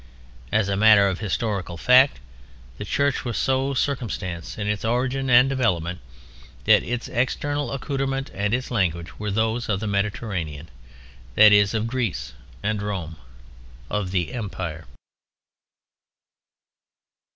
As a matter of historical fact, the Church was so circumstanced in its origin and development that its external accoutrement and its language were those of the Mediterranean, that is, of Greece and Rome: of the Empire.